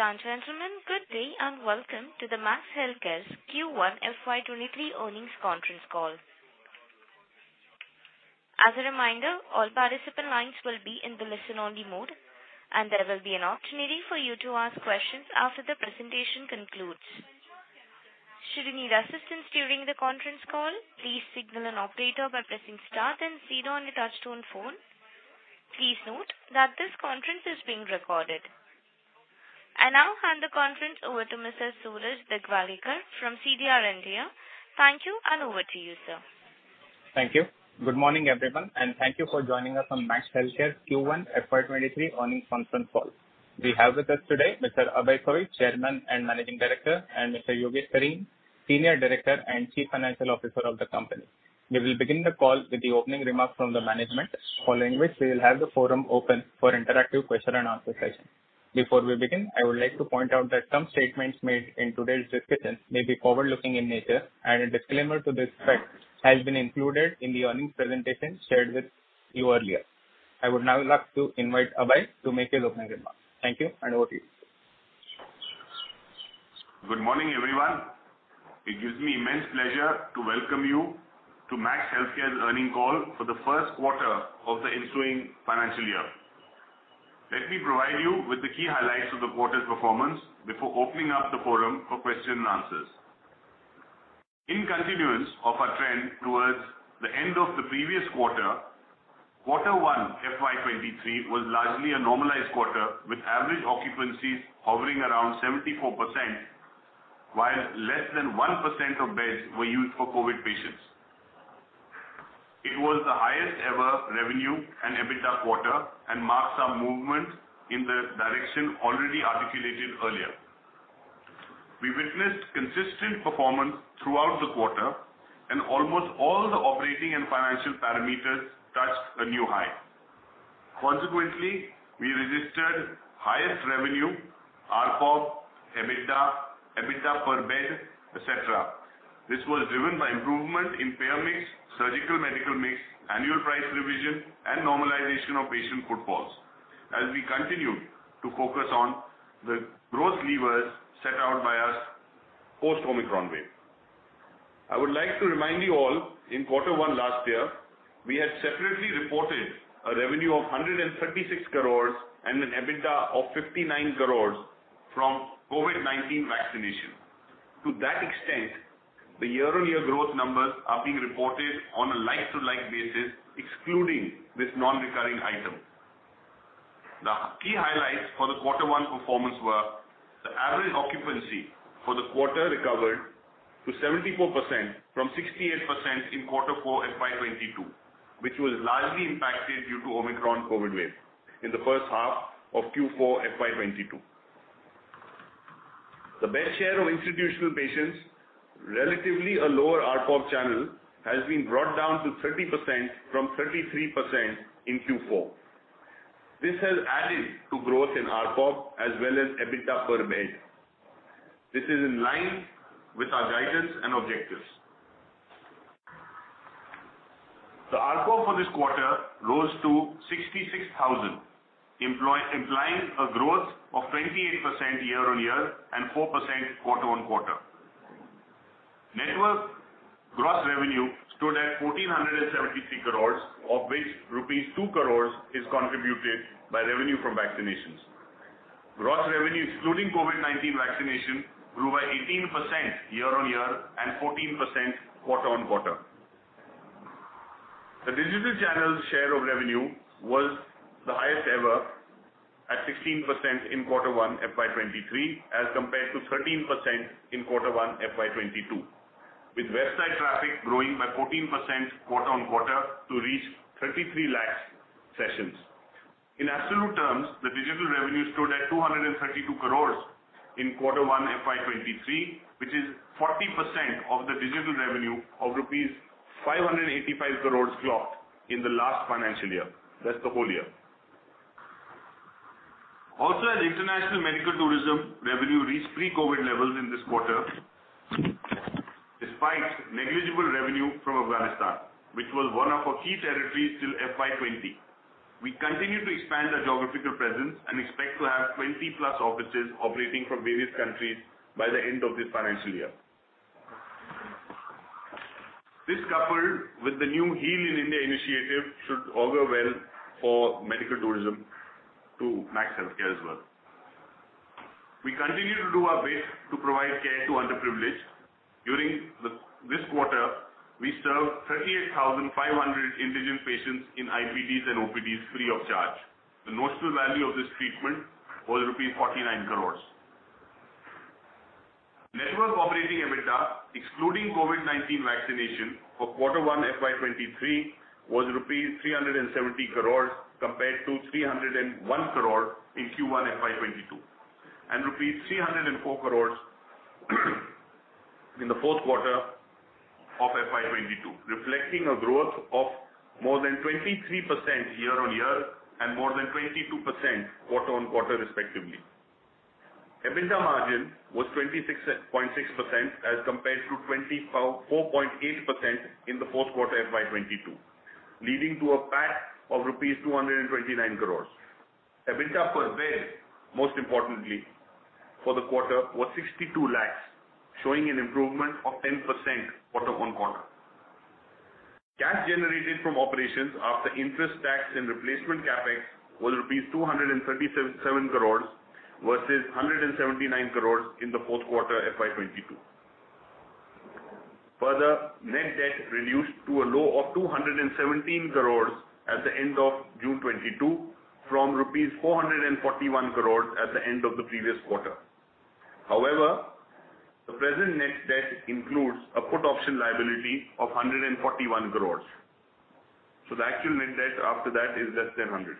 Ladies and gentlemen, good day and welcome to the Max Healthcare's Q1 FY 2023 earnings conference call. As a reminder, all participant lines will be in the listen only mode, and there will be an opportunity for you to ask questions after the presentation concludes. Should you need assistance during the conference call, please signal an operator by pressing star then zero on your touchtone phone. Please note that this conference is being recorded. I now hand the conference over to Mr. Suraj Digawalekar from CDR India. Thank you, and over to you, sir. Thank you. Good morning, everyone, and thank you for joining us on Max Healthcare Q1 FY 2023 earnings conference call. We have with us today Mr. Abhay Soi, Chairman and Managing Director, and Mr. Yogesh Kumar Sareen, Senior Director and Chief Financial Officer of the company. We will begin the call with the opening remarks from the management, following which we will have the forum open for interactive question and answer session. Before we begin, I would like to point out that some statements made in today's discussion may be forward-looking in nature, and a disclaimer to this effect has been included in the earnings presentation shared with you earlier. I would now like to invite Abhay to make his opening remarks. Thank you, and over to you. Good morning, everyone. It gives me immense pleasure to welcome you to Max Healthcare's Earnings Call for the first quarter of the ensuing financial year. Let me provide you with the key highlights of the quarter's performance before opening up the forum for question and answers. In continuance of our trend towards the end of the previous quarter one FY 2023 was largely a normalized quarter with average occupancies hovering around 74%, while less than 1% of beds were used for COVID patients. It was the highest ever revenue and EBITDA quarter and marks our movement in the direction already articulated earlier. We witnessed consistent performance throughout the quarter and almost all the operating and financial parameters touched a new high. Consequently, we registered highest revenue, ARPOB, EBITDA per bed, etc. This was driven by improvement in payer mix, surgical medical mix, annual price revision and normalization of patient footfalls as we continue to focus on the growth levers set out by us post-Omicron wave. I would like to remind you all in quarter one last year, we had separately reported a revenue of 136 crores and an EBITDA of 59 crores from COVID-19 vaccination. To that extent, the year-on-year growth numbers are being reported on a like-for-like basis, excluding this non-recurring item. The key highlights for the quarter one performance were the average occupancy for the quarter recovered to 74% from 68% in quarter four FY 2022, which was largely impacted due to Omicron COVID-19 wave in the first half of Q4 FY 2022. The bed share of institutional patients, relatively a lower ARPOB channel, has been brought down to 30% from 33% in Q4. This has added to growth in ARPOB as well as EBITDA per bed. This is in line with our guidance and objectives. The ARPOB for this quarter rose to 66,000, implying a growth of 28% year-on-year and 4% quarter-on-quarter. Network gross revenue stood at 1,473 crore, of which rupees 2 crore is contributed by revenue from vaccinations. Gross revenue excluding COVID-19 vaccination grew by 18% year-on-year and 14% quarter-on-quarter. The digital channel share of revenue was the highest ever at 16% in Q1 FY 2023 as compared to 13% in Q1 FY 2022, with website traffic growing by 14% quarter-on-quarter to reach 33 lakh sessions. In absolute terms, the digital revenue stood at 232 crore in Q1 FY 2023, which is 40% of the digital revenue of rupees 585 crore clocked in the last financial year. That's the whole year. Also, as international medical tourism revenue reached pre-COVID levels in this quarter, despite negligible revenue from Afghanistan, which was one of our key territories till FY 2020. We continue to expand our geographical presence and expect to have 20+ offices operating from various countries by the end of this financial year. This coupled with the new Heal in India initiative should augur well for medical tourism to Max Healthcare as well. We continue to do our best to provide care to underprivileged. During this quarter, we served 38,500 indigent patients in IPDs and OPDs free of charge. The notional value of this treatment was rupees 49 crores. Network operating EBITDA excluding COVID-19 vaccination for Q1 FY 2023 was rupees 370 crores compared to 301 crore in Q1 FY 2022, and rupees 304 crores in the fourth quarter of FY 2022, reflecting a growth of more than 23% year-on-year and more than 22% quarter-on-quarter respectively. EBITDA margin was 26.6% as compared to 24.8% in the fourth quarter FY 2022. Leading to a PAT of rupees 229 crores. EBITDA per bed, most importantly, for the quarter was 62 lakhs, showing an improvement of 10% quarter-on-quarter. Cash generated from operations after interest tax and replacement CapEx was rupees 237 crores, versus 179 crores in the fourth quarter FY 2022. Further, net debt reduced to a low of 217 crores at the end of June 2022, from rupees 441 crores at the end of the previous quarter. However, the present net debt includes a put option liability of 141 crores. The actual net debt after that is less than 100.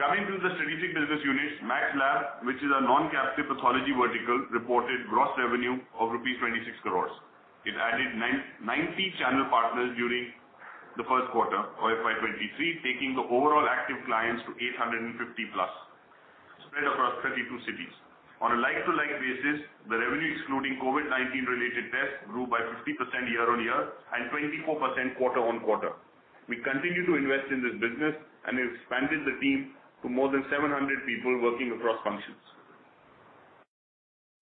Coming to the strategic business units, Max Lab, which is our non-captive pathology vertical, reported gross revenue of rupees 26 crores. It added 990 channel partners during the first quarter of FY 2023, taking the overall active clients to 850+, spread across 32 cities. On a like-to-like basis, the revenue excluding COVID-19 related tests grew by 50% year-on-year and 24% quarter-on-quarter. We continue to invest in this business and have expanded the team to more than 700 people working across functions.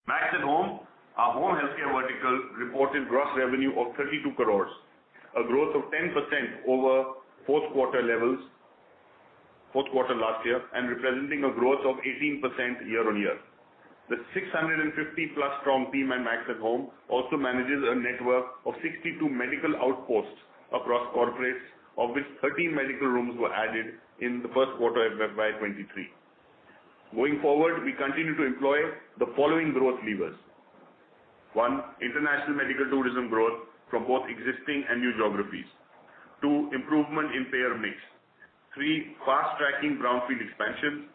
MAX@Home, our home healthcare vertical, reported gross revenue of 32 crore, a growth of 10% over fourth quarter levels, fourth quarter last year, and representing a growth of 18% year-on-year. The 650+ strong team at MAX@Home also manages a network of 62 medical outposts across corporates, of which 13 medical rooms were added in the first quarter of FY 2023. Going forward, we continue to employ the following growth levers. One, international medical tourism growth from both existing and new geographies. Two, improvement in payer mix. Three, fast-tracking brownfield expansions.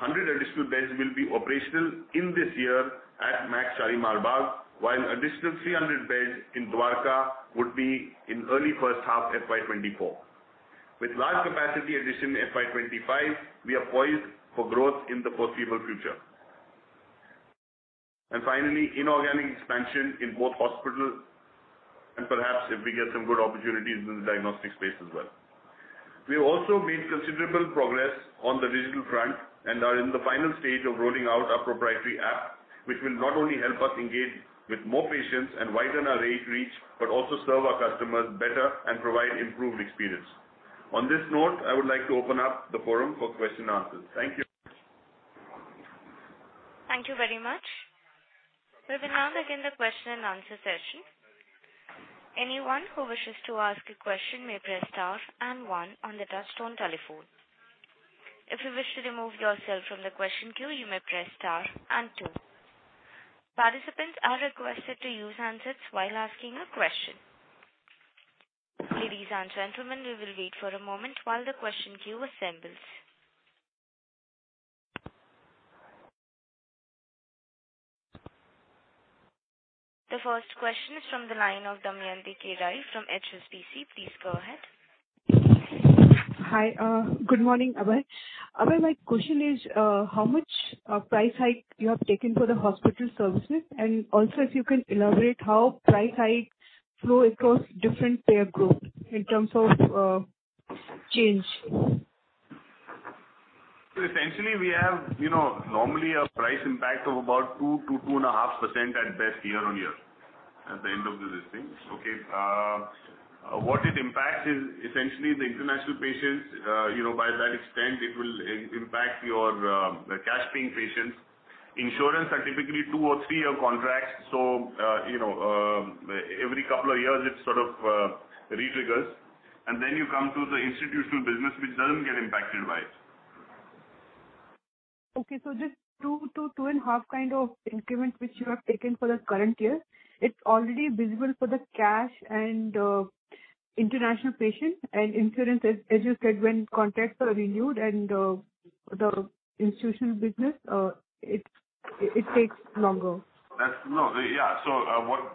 100 additional beds will be operational in this year at Max Shalimar Bagh, while an additional 300 beds in Dwarka would be in early first half FY 2024. With large capacity addition in FY 2025, we are poised for growth in the foreseeable future. Finally, inorganic expansion in both hospitals and perhaps if we get some good opportunities in the diagnostic space as well. We have also made considerable progress on the digital front and are in the final stage of rolling out our proprietary app, which will not only help us engage with more patients and widen our patient reach, but also serve our customers better and provide improved experience. On this note, I would like to open up the forum for questions and answers. Thank you. Thank you very much. We will now begin the question and answer session. Anyone who wishes to ask a question may press star and one on the touchtone telephone. If you wish to remove yourself from the question queue, you may press star and two. Participants are requested to use handsets while asking a question. Ladies and gentlemen, we will wait for a moment while the question queue assembles. The first question is from the line of Damayanti Kerai from HSBC. Please go ahead. Hi. Good morning, Abhay. Abhay, my question is, how much price hike you have taken for the hospital services? If you can elaborate how price hike flow across different payer groups in terms of change. Essentially we have, you know, normally a price impact of about 2%-2.5% at best year-on-year at the end of the listing. Okay. What it impacts is essentially the international patients, you know, by that extent it will impact your, the cash paying patients. Insurance are typically two or three-year contracts, so, you know, every couple of years it sort of re-triggers. Then you come to the institutional business, which doesn't get impacted by it. Okay. Just 2%-2.5% kind of increments which you have taken for the current year, it's already visible for the cash and international patient and insurance, as you said, when contracts are renewed and the institutional business, it takes longer. What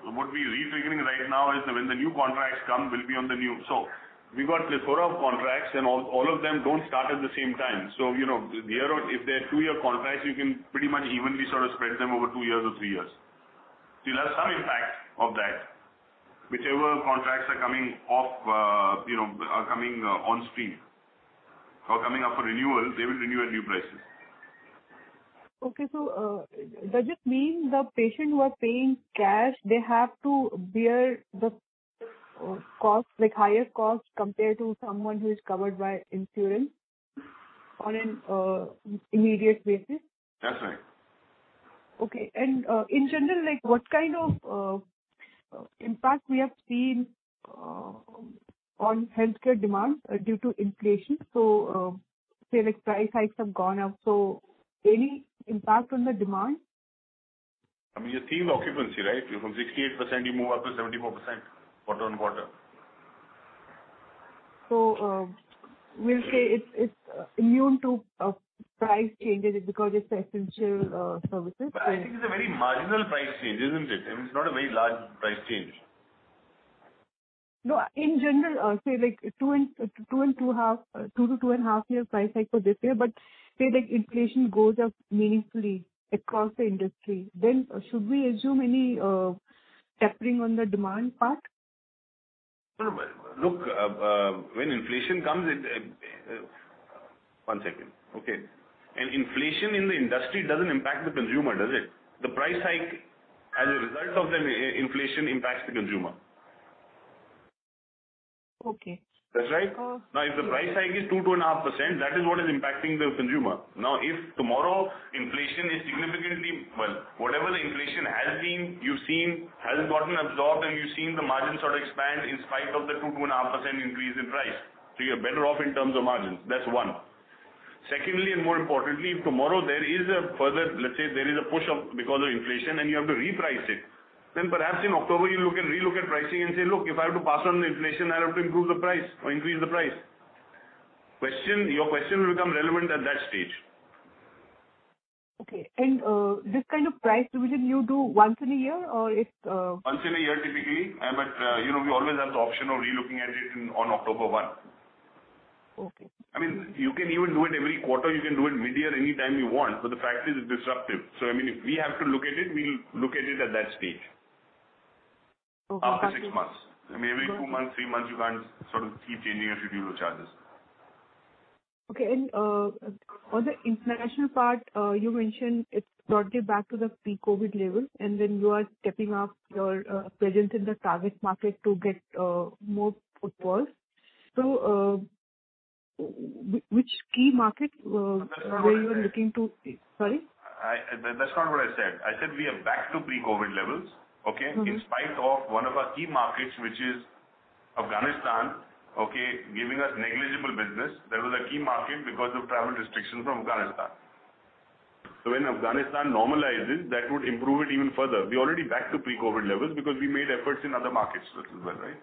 we're re-triggering right now is when the new contracts come, we'll be on the new. We've got plethora of contracts and all of them don't start at the same time. You know, year on. If they're two-year contracts, you can pretty much evenly sort of spread them over two years or three years. You'll have some impact of that. Whichever contracts are coming off, you know, are coming onstream or coming up for renewal, they will renew at new prices. Does it mean the patient who are paying cash, they have to bear the cost, like higher cost compared to someone who is covered by insurance on an immediate basis? That's right. Okay. In general, like what kind of impact we have seen on healthcare demand due to inflation? Say like price hikes have gone up, so any impact on the demand? I mean, you're seeing occupancy, right? From 68% you move up to 74% quarter-on-quarter. We'll say it's immune to price changes because it's essential services. I think it's a very marginal price change, isn't it? I mean, it's not a very large price change. No, in general, say like 2%-2.5% price hike for this year, but say like inflation goes up meaningfully across the industry, then should we assume any tapering on the demand part? Look, when inflation comes. Inflation in the industry doesn't impact the consumer, does it? The price hike as a result of the inflation impacts the consumer. Okay. That's right. Oh, okay. Now, if the price hike is 2%-2.5%, that is what is impacting the consumer. Now, if tomorrow inflation is significantly. Well, whatever the inflation has been, you've seen hasn't gotten absorbed, and you've seen the margins sort of expand in spite of the 2%-2.5% increase in price. You're better off in terms of margins. That's one. Secondly, and more importantly, if tomorrow there is a further, let's say there is a push-up because of inflation and you have to reprice it, then perhaps in October you look and relook at pricing and say, "Look, if I have to pass on the inflation, I have to improve the price or increase the price." Question. Your question will become relevant at that stage. Okay. This kind of price revision you do once in a year or it's? Once in a year, typically. You know, we always have the option of relooking at it in on October 1. Okay. I mean, you can even do it every quarter. You can do it midyear, anytime you want, but the fact is it's disruptive. I mean, if we have to look at it, we'll look at it at that stage. Okay. After six months, I mean, every two months, three months, you can't sort of keep changing and review your charges. Okay. On the international part, you mentioned it's started back to the pre-COVID level, and then you are stepping up your presence in the target market to get more footfalls. Which key market were you looking to? Sorry. That's not what I said. I said we are back to pre-COVID levels. Okay? Mm-hmm. In spite of one of our key markets, which is Afghanistan, okay, giving us negligible business. That was a key market because of travel restrictions from Afghanistan. When Afghanistan normalizes, that would improve it even further. We're already back to pre-COVID levels because we made efforts in other markets as well, right?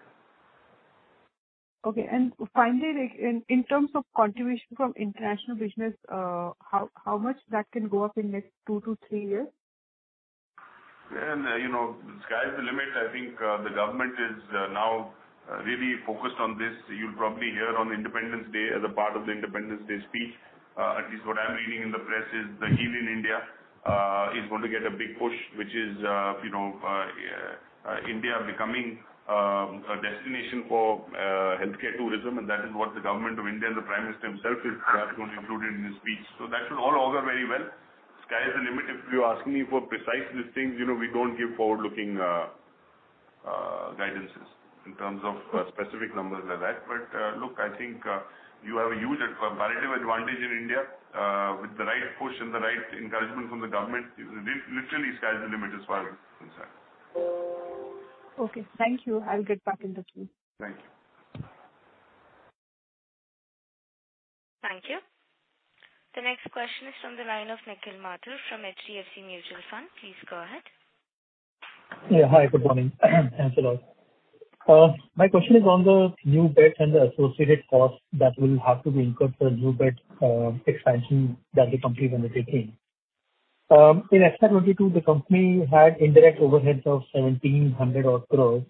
Okay. Finally, like in terms of contribution from international business, how much that can go up in next two to three years? You know, the sky's the limit. I think the government is now really focused on this. You'll probably hear on Independence Day as a part of the Independence Day speech. At least what I'm reading in the press is the Heal in India is going to get a big push, which is, you know, India becoming a destination for healthcare tourism. That is what the government of India and the Prime Minister himself is perhaps going to include it in his speech. That should all augur very well. Sky is the limit. If you're asking me for precise listings, you know we don't give forward-looking guidances in terms of specific numbers like that. Look, I think you have a huge comparative advantage in India. With the right push and the right encouragement from the government, literally the sky's the limit as far as we're concerned. Okay. Thank you. I'll get back in the queue. Thank you. Thank you. The next question is from the line of Nikhil Mathur from HDFC Mutual Fund. Please go ahead. Yeah. Hi. Good morning. Thanks a lot. My question is on the new beds and the associated costs that will have to be incurred for new bed expansion that the company is undertaking. In FY 2022, the company had indirect overheads of 1,700-odd crores,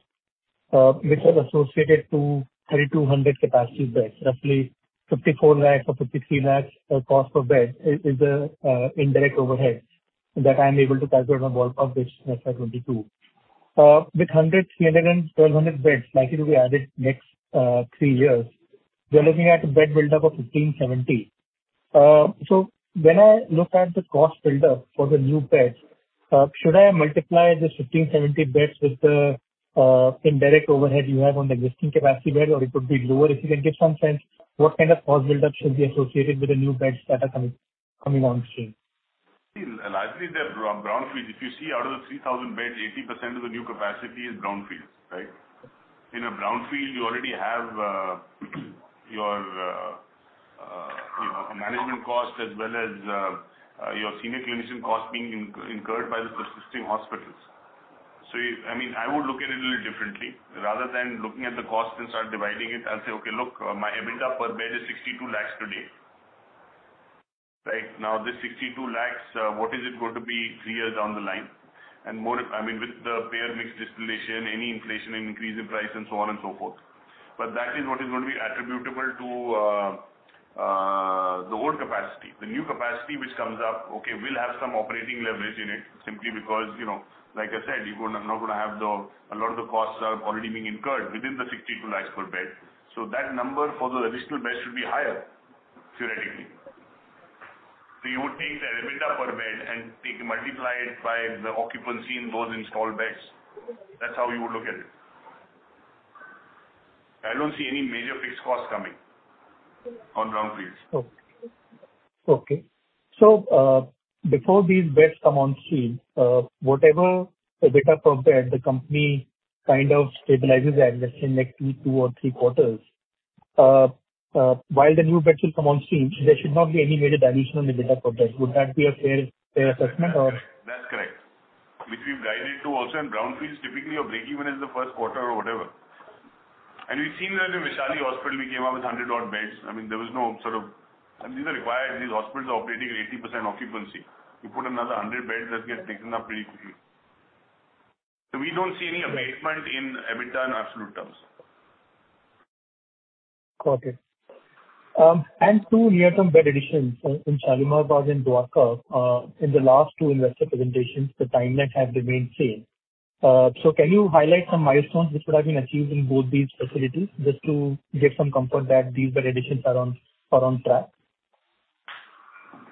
which was associated to 3,200 capacity beds. Roughly 54 lakhs or 53 lakhs cost per bed is the indirect overheads that I'm able to calculate on the whole of which FY 2022. With 100, 300 and 1,200 beds likely to be added next three years, we are looking at a bed build up of 1,570. So when I look at the cost build up for the new beds, should I multiply the 1,570 beds with the indirect overhead you have on the existing capacity bed, or it would be lower? If you can give some sense, what kind of cost build up should be associated with the new beds that are coming on stream? Largely they're brownfields. If you see out of the 3,000 beds, 80% of the new capacity is brownfields, right? In a brownfield, you already have your you know management costs as well as your senior clinician costs being incurred by the existing hospitals. I mean, I would look at it a little differently. Rather than looking at the cost and start dividing it, I'll say, okay, look, my EBITDA per bed is 62 lakhs today. Right? Now, this 62 lakhs, what is it going to be three years down the line? more, I mean, with the payer mix distillation, any inflation increase in price and so on and so forth. That is what is going to be attributable to the old capacity. The new capacity which comes up, okay, will have some operating leverage in it simply because, you know, like I said, you're not gonna have. A lot of the costs are already being incurred within the 62 lakhs per bed. That number for the additional bed should be higher, theoretically. You would take the EBITDA per bed and multiply it by the occupancy in those installed beds. That's how you would look at it. I don't see any major fixed costs coming on brownfields. Before these beds come on stream, whatever the EBITDA per bed the company kind of stabilizes at, let's say in next two or three quarters, while the new beds will come on stream, there should not be any major dilution on the EBITDA per bed. Would that be a fair assessment or- That's correct. Which we've guided to also in brownfields, typically your break even is the first quarter or whatever. We've seen that in Vaishali Hospital, we came up with 100-odd beds. I mean, these are required. These hospitals are operating at 80% occupancy. You put another 100 beds, that gets taken up pretty quickly. We don't see any abatement in EBITDA in absolute terms. Two near-term bed additions in Shalimar Bagh and Dwarka. In the last two investor presentations, the timeline has remained same. Can you highlight some milestones which would have been achieved in both these facilities, just to get some comfort that these bed additions are on track?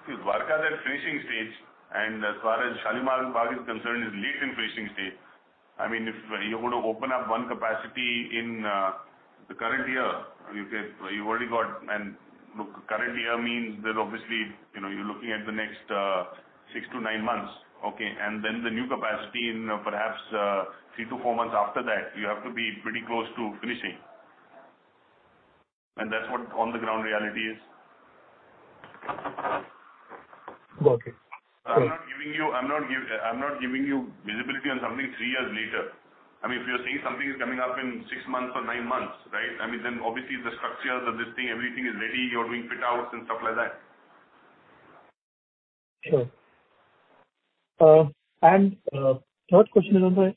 Dwarka is at finishing stage, and as far as Shalimar Bagh is concerned, is late in finishing stage. I mean, if you're going to open up one capacity in the current year, and you said you already got. Look, current year means there's obviously, you know, you're looking at the next six to nine months. Okay. Then the new capacity in perhaps three to four months after that, you have to be pretty close to finishing. That's what on-the-ground reality is. Okay, cool. I'm not giving you visibility on something three years later. I mean, if you're saying something is coming up in six months or nine months, right? I mean, then obviously the structures of this thing, everything is ready. You're doing fit outs and stuff like that. Sure. Third question is on the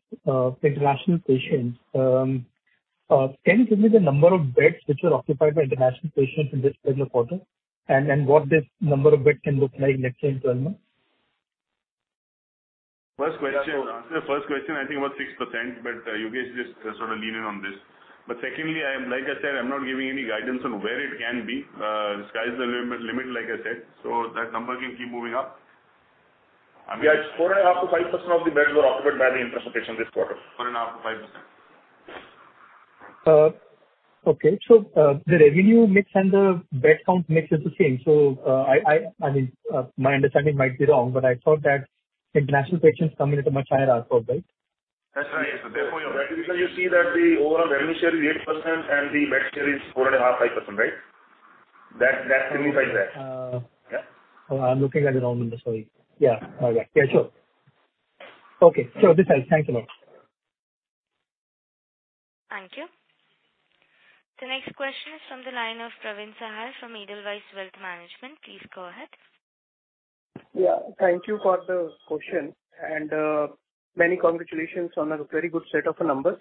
international patients. Can you give me the number of beds which are occupied by international patients in this particular quarter? What this number of beds can look like next 12 months. First question. To answer the first question, I think about 6%, but you guys just sort of lean in on this. Secondly, like I said, I'm not giving any guidance on where it can be. Sky's the limit, like I said. That number can keep moving up. I mean. Yeah, it's 4.5%-5% of the beds were occupied by the international patients this quarter. 4.5%-5%. Okay. The revenue mix and the bed count mix is the same. I mean, my understanding might be wrong, but I thought that international patients come in at a much higher output, right? That's right. Therefore, your revenue because you see that the overall revenue share is 8% and the bed share is 4.5%-5%, right? That signifies that. Uh. Yeah. I'm looking at the wrong number. Sorry. Yeah. Yeah. Yeah, sure. Okay. This helps. Thanks a lot. Thank you. The next question is from the line of Praveen Sahay from Edelweiss Wealth Management. Please go ahead. Yeah. Thank you for the question, and many congratulations on a very good set of numbers.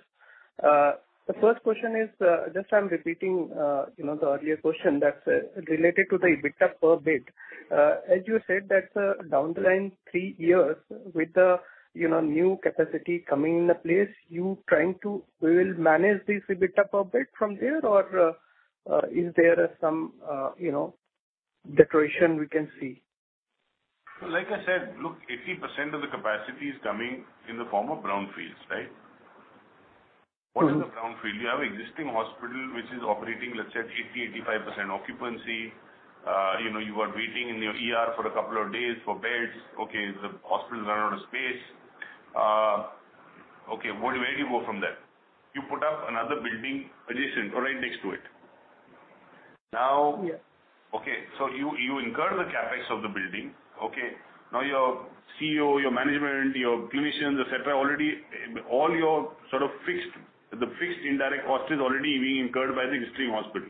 The first question is, just I'm repeating, you know, the earlier question that's related to the EBITDA per bed. As you said, that down the line three years with the, you know, new capacity coming into place, will you manage this EBITDA per bed from there or is there some, you know, deterioration we can see? Like I said, look, 80% of the capacity is coming in the form of brownfields, right? Mm-hmm. What is a brownfield? You have existing hospital which is operating, let's say at 80%-85% occupancy. You know, you are waiting in your ER for a couple of days for beds. Okay. The hospital's run out of space. Okay, where do you go from there? You put up another building adjacent or right next to it. Now. Yeah. Okay, you incur the CapEx of the building. Okay. Now, your CEO, your management, your clinicians, et cetera, already, the fixed indirect cost is already being incurred by the existing hospital.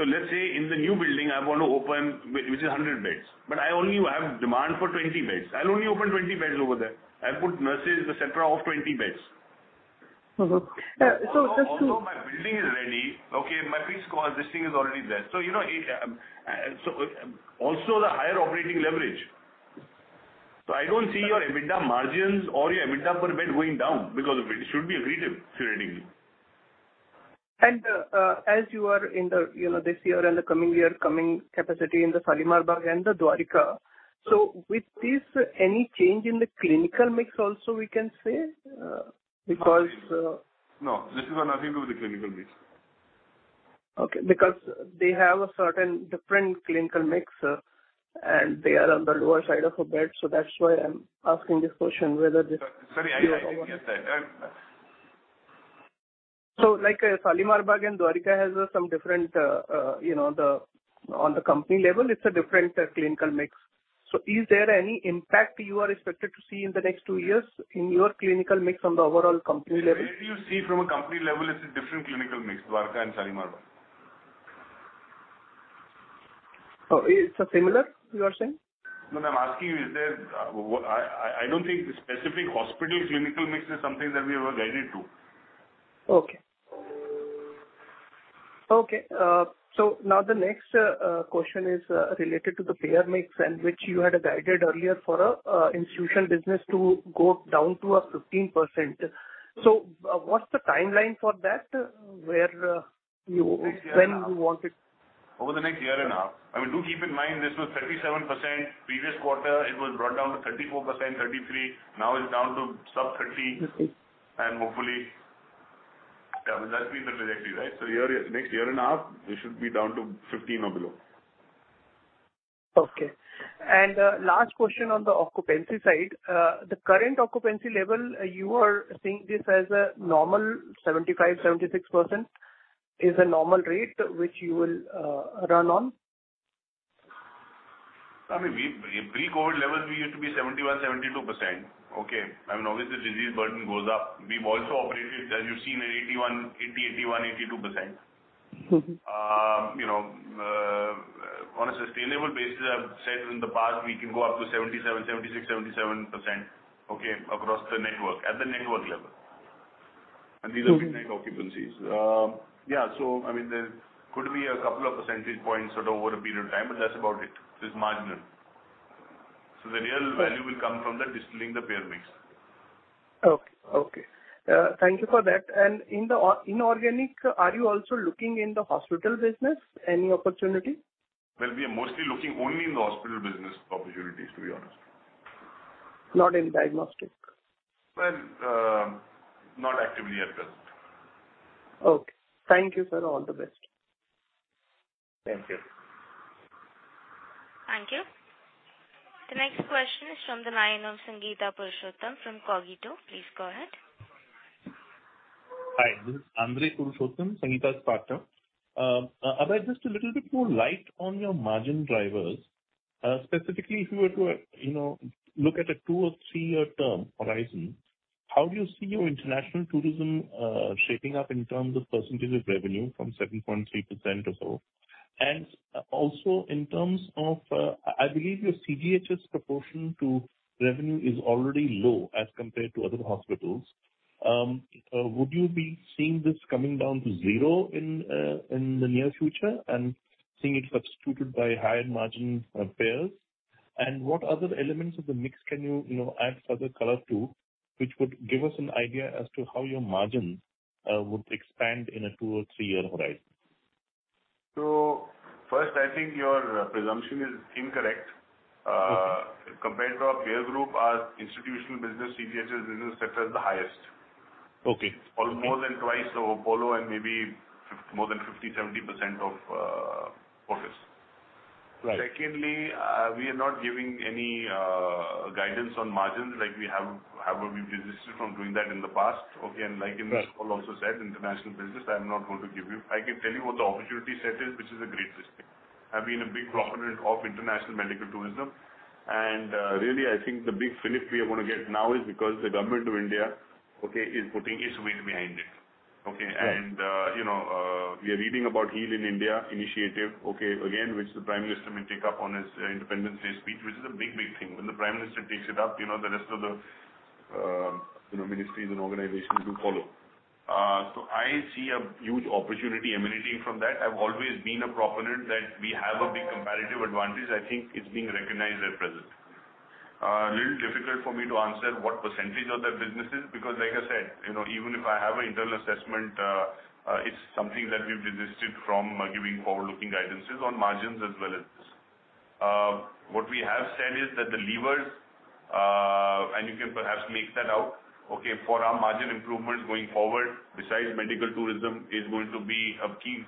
Let's say in the new building, I want to open with 100 beds, but I only have demand for 20 beds. I'll only open 20 beds over there. I'll put nurses, et cetera, for 20 beds. Mm-hmm. My building is ready. Okay. My fixed cost, this thing is already there. You know, it, so also the higher operating leverage. I don't see your EBITDA margins or your EBITDA per bed going down because of it. It should be accretive theoretically. as you are in the, you know, this year and the coming year, coming capacity in the Shalimar Bagh and the Dwarka, so with this, any change in the clinical mix also we can say, because No, this has got nothing to do with the clinical mix. Okay. Because they have a certain different clinical mix, and they are on the lower side of ARPOB. That's why I'm asking this question, whether this. Sorry, I get that. I'm- Shalimar Bagh and Dwarka has some different. On the company level, it's a different clinical mix. Is there any impact you are expected to see in the next two years in your clinical mix on the overall company level? Where do you see from a company level it's a different clinical mix, Dwarka and Shalimar Bagh? It's similar, you are saying? No, I'm asking you, is there, I don't think the specific hospital clinical mix is something that we ever guided to. Now the next question is related to the payer mix and which you had guided earlier for a institutional business to go down to a 15%. What's the timeline for that, where you- When you want it? Over the next year and a half. I mean, do keep in mind this was 37%. Previous quarter it was brought down to 34%, 33%. Now it's down to sub-30. Mm-hmm. Hopefully. Yeah, but that's been the trajectory, right? Year, next year and a half, we should be down to 15 or below. Okay. Last question on the occupancy side. The current occupancy level, you are seeing this as a normal 75%-76% is a normal rate which you will run on? I mean, we, pre-COVID levels, we used to be 71%-72%. Okay. I mean, obviously disease burden goes up. We've also operated, as you've seen, at 81%, 80%, 81%, 82%. Mm-hmm. You know, sustainable basis, I've said in the past, we can go up to 77%, 76%, 77%, okay, across the network, at the network level. These are mid-range occupancies. Yeah, I mean, there could be a couple of percentage points sort of over a period of time, but that's about it. It's marginal. The real value will come from tilting the payer mix. Okay. Thank you for that. In the inorganic, are you also looking in the hospital business, any opportunity? Well, we are mostly looking only in the hospital business opportunities, to be honest. Not in diagnostic. Well, not actively at present. Okay. Thank you, sir. All the best. Thank you. Thank you. The next question is from the line of Sangeeta Purushottam from Cogito. Please go ahead. Hi, this is Andrew Purushottam, Sangeeta Purushottam's partner. Abhay Soi, just a little bit more light on your margin drivers. Specifically if you were to, you know, look at a two or three-year term horizon, how do you see your international tourism shaping up in terms of percentage of revenue from 7.3% or so? I believe your CGHS proportion to revenue is already low as compared to other hospitals. Would you be seeing this coming down to zero in the near future and seeing it substituted by higher-margin payers? What other elements of the mix can you know, add further color to, which would give us an idea as to how your margins would expand in a two or three-year horizon? First, I think your presumption is incorrect. Compared to our peer group, our institutional business, CGHS business, et cetera, is the highest. Okay. For more than twice of Apollo and maybe more than 50%-70% of Fortis. Right. Secondly, we are not giving any guidance on margins like we have. We've resisted from doing that in the past, okay? Like Himanshu also said, international business, I'm not going to give you. I can tell you what the opportunity set is, which is a great listing. I've been a big proponent of international medical tourism, and really, I think the big finish we are gonna get now is because the Government of India, okay, is putting its weight behind it. Okay? Right. You know, we are reading about Heal in India initiative, okay, again, which the Prime Minister may take up on his Independence Day speech, which is a big, big thing. When the Prime Minister picks it up, you know, the rest of the, you know, ministries and organizations will follow. I see a huge opportunity emanating from that. I've always been a proponent that we have a big comparative advantage. I think it's being recognized at present. A little difficult for me to answer what percentage of that business is, because like I said, you know, even if I have an internal assessment, it's something that we've resisted from giving forward-looking guidances on margins as well as this. What we have said is that the levers and you can perhaps make that out, okay, for our margin improvements going forward, besides medical tourism, is tilting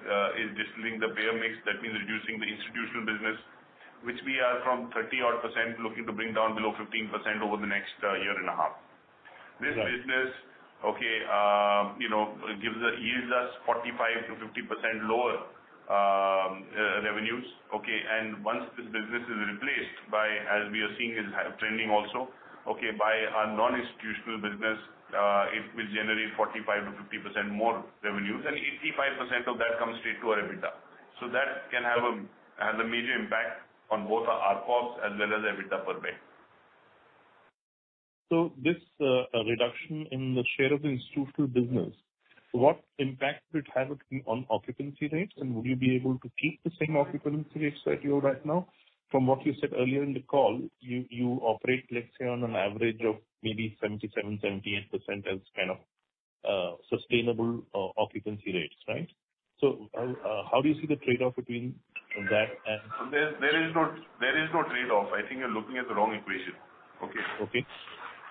the payer mix. That means reducing the institutional business, which we are from 30-odd% looking to bring down below 15% over the next year and a half. Right. This business, okay, you know, gives us, yields us 45%-50% lower revenues, okay? Once this business is replaced by, as we are seeing is happening also, okay, by our non-institutional business, it will generate 45%-50% more revenues, and 85% of that comes straight to our EBITDA. That can have a major impact on both our ARPOB as well as EBITDA per bed. This reduction in the share of institutional business, what impact would it have on occupancy rates? And will you be able to keep the same occupancy rates that you have right now? From what you said earlier in the call, you operate, let's say, on an average of maybe 77%-78% as kind of sustainable occupancy rates, right? How do you see the trade-off between that and- There is no trade-off. I think you're looking at the wrong equation. Okay. Okay.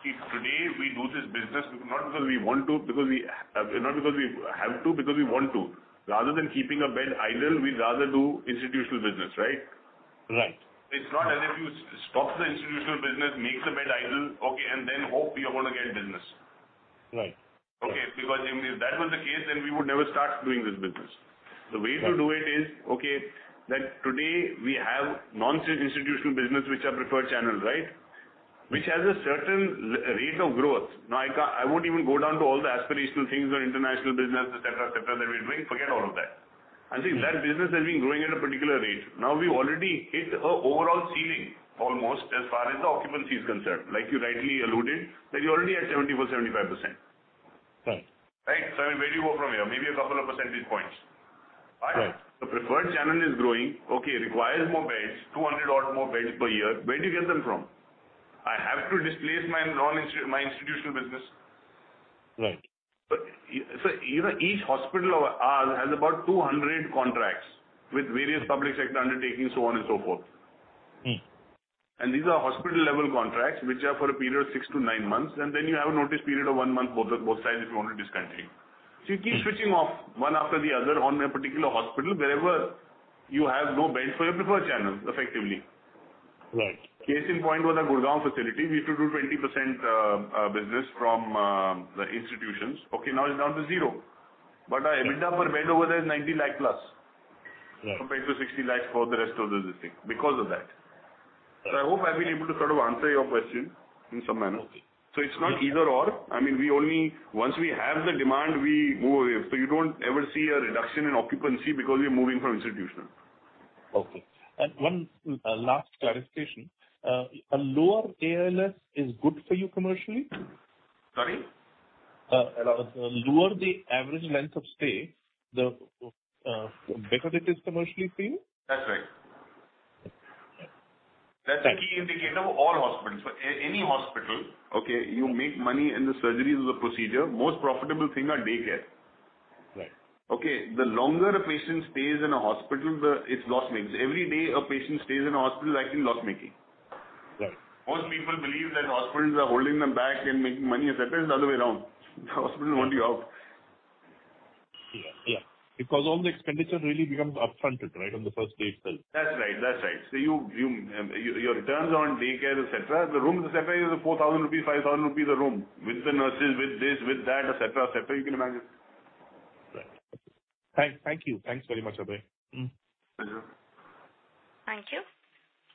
If today we lose this business, not because we have to, because we want to. Rather than keeping a bed idle, we'd rather do institutional business, right? Right. It's not as if you stop the institutional business, make the bed idle, okay, and then hope you're gonna get business. Right. Okay. Because if that was the case, then we would never start doing this business. The way to do it is, okay, that today we have non-institutional business, which are preferred channels, right? Which has a certain rate of growth. Now, I won't even go down to all the aspirational things or international business, et cetera, et cetera, that we're doing. Forget all of that. I think that business has been growing at a particular rate. Now, we already hit an overall ceiling almost as far as the occupancy is concerned. Like you rightly alluded, that you're already at 74%-75%. Right. Right? Where do you go from here? Maybe a couple of percentage points. Right. The preferred channel is growing, okay, requires more beds, 200-odd more beds per year. Where do you get them from? I have to displace my institutional business. Right. You know, each hospital of ours has about 200 contracts with various public sector undertakings, so on and so forth. Mm-hmm. These are hospital level contracts, which are for a period of six to nine months. Then you have a notice period of one month, both sides if you want to discontinue. You keep switching off one after the other on a particular hospital wherever you have no beds for your preferred channels, effectively. Right. Case in point was our Gurgaon facility. We used to do 20% business from the institutions. Okay, now it's down to zero. Our EBITDA per bed over there is 90 lakh+. Right. Compared to 60 lakh for the rest of the listing because of that. I hope I've been able to sort of answer your question in some manner. Okay. It's not either/or. I mean, once we have the demand, we move away. You don't ever see a reduction in occupancy because we're moving from institutional. Okay. One last clarification. A lower ALS is good for you commercially? Sorry. Lower the average length of stay, the better it is commercially for you? That's right. Okay. Thank you. That's a key indicator for all hospitals. For any hospital, okay, you make money in the surgeries or the procedure. Most profitable thing are day care. Right. Okay. The longer a patient stays in a hospital, it's loss-making. Every day a patient stays in a hospital is actually loss-making. Right. Most people believe that hospitals are holding them back and making money, et cetera. It's the other way around. Hospitals want you out. Yeah. Because all the expenditure really becomes upfronted, right, on the first day itself. That's right. Your returns on day care, et cetera, the rooms, et cetera, is 4,000 rupees, 5,000 rupees a room, with the nurses, with this, with that, et cetera, you can imagine. Right. Thank you. Thanks very much, Abhay. Mm-hmm. Thank you. Thank you.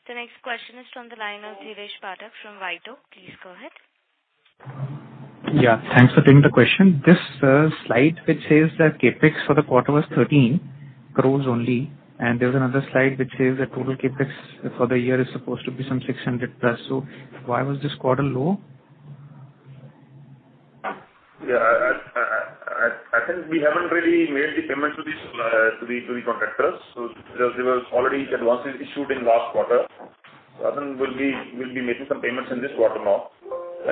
The next question is from the line of Devesh Pathak from Rytle. Please go ahead. Yeah, thanks for taking the question. This slide which says that CapEx for the quarter was 13 crore only, and there's another slide which says that total CapEx for the year is supposed to be some 600 crore+. Why was this quarter low? I think we haven't really made the payment to the contractors. There was already advances issued in last quarter. I think we'll be making some payments in this quarter now.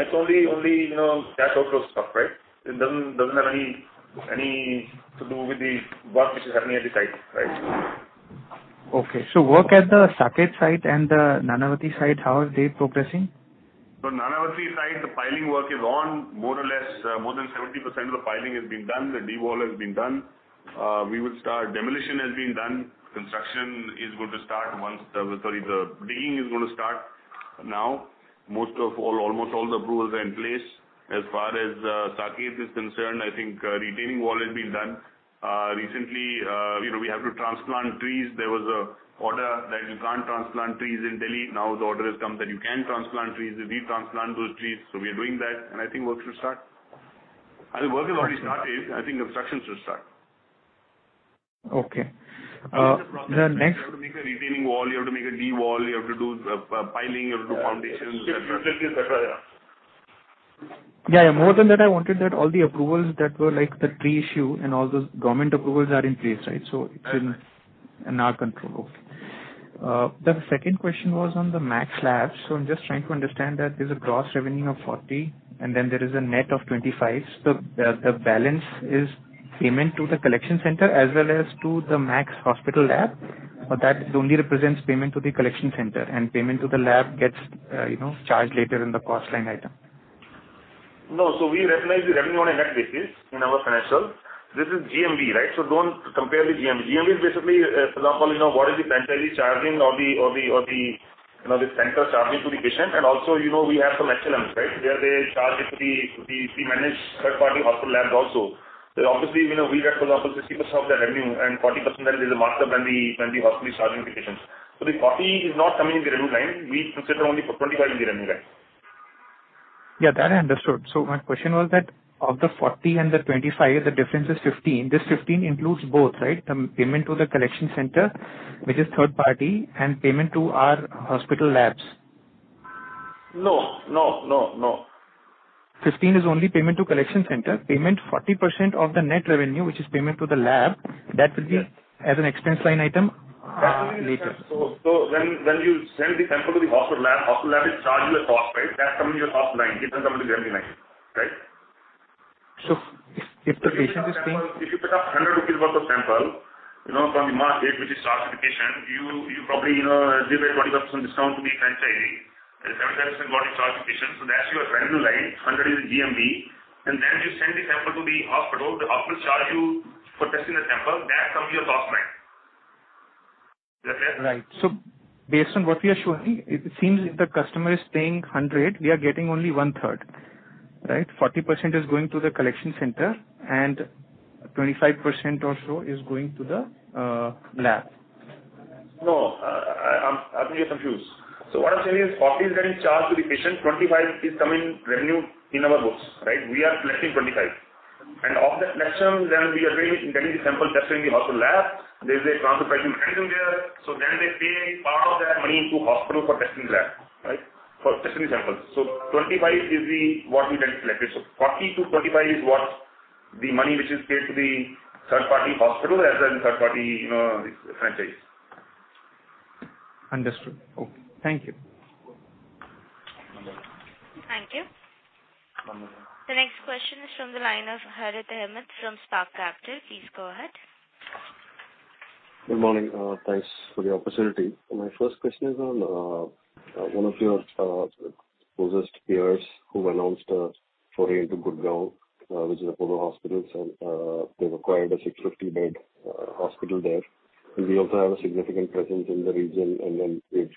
It's only, you know, cash outflow stuff, right? It doesn't have anything to do with the work which is happening at the site. Right. Okay. Work at the Saket site and the Nanavati site, how are they progressing? Nanavati site, the piling work is on more or less, more than 70% of the piling has been done. The de-wall has been done. Demolition has been done. Construction is going to start once the digging is gonna start now. Most of all, almost all the approvals are in place. As far as Saket is concerned, I think, retaining wall has been done. Recently, you know, we have to transplant trees. There was an order that you can't transplant trees in Delhi. Now the order has come that you can transplant trees. We transplant those trees, so we are doing that, and I think work should start. I mean, work has already started. I think construction should start. Okay. You have to make a retaining wall, you have to make a D-wall, you have to do piling, you have to do foundations, et cetera. Yeah, more than that, I wanted that all the approvals that were, like, the tree issue and all those government approvals are in place, right? It's in our control. Yes. Okay. The second question was on the Max Lab. I'm just trying to understand that there's a gross revenue of 40, and then there is a net of 25. The balance is payment to the collection center as well as to the Max hospital lab? Or that only represents payment to the collection center and payment to the lab gets, you know, charged later in the cost line item? No. We recognize the revenue on a net basis in our financials. This is GMV, right? Don't compare the GMV. GMV is basically, for example, you know, what is the franchisee charging or the, you know, the center charging to the patient. And also, you know, we have some SLM, right? Where they charge it to the managed third-party hospital labs also. Obviously, you know, we represent 60% of the revenue and 40% then is the markup when the hospital is charging the patients. The 40% is not coming in the revenue line. We consider only for 25% in the revenue line. Yeah, that I understood. My question was that of the 40% and the 25%, the difference is 15%. This 15% includes both, right? The payment to the collection center, which is third party, and payment to our hospital labs? No. 15% is only payment to collection center. Payment 40% of the net revenue, which is payment to the lab. Yes. As an expense line item? Later. When you send the sample to the hospital lab, the hospital lab will charge you a cost, right? That's coming to your cost line. Right? If the patient is paying- If you pick up 100 rupees worth of sample, you know, from the market, which is charged to the patient, you probably, you know, give a 25% discount to the franchisee, and 7% goes and charged to the patient. That's your revenue line. 100 is GMV. You send the sample to the hospital. The hospital charge you for testing the sample. That comes to your cost line. Is that clear? Right. Based on what we are showing, it seems if the customer is paying 100, we are getting only one-third. Right? 40% is going to the collection center and 25% or so is going to the lab. No. I think you're confused. What I'm saying is, INR 40 is getting charged to the patient, 25 is coming revenue in our books, right? We are collecting 25. Of that collection, we are getting. Sending the sample, testing the hospital lab. There's a transaction happening there. They pay part of that money to hospital for testing lab, right? For testing the sample. INR 25 is the, what we can collect. 40-25 is what the money which is paid to the third-party hospital as well as third-party, you know, franchise. Understood. Okay. Thank you. Okay. Thank you. The next question is from the line of Harith Ahmed from Spark Capital. Please go ahead. Good morning. Thanks for the opportunity. My first question is on one of your closest peers who announced a foray into Gurgaon, which is Apollo Hospitals, and they've acquired a 650-bed hospital there. We also have a significant presence in the region, and then we've